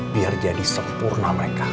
biar jadi sempurna untuk kita